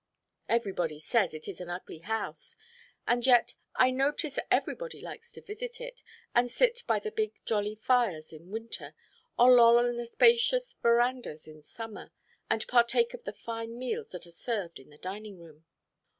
Everybody says it is an ugly house, and yet I notice everybody likes to visit it, and sit by the big jolly fires in winter, or loll on the spacious verandas in summer, and partake of the fine meals that are served in the dining room.